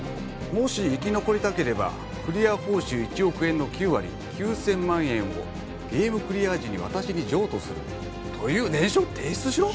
「もし生き残りたければ“クリア報酬１億円の９割９０００万円をゲームクリア時に私に譲渡する”という念書を提出しろ」！？